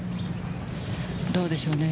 どうでしょうね。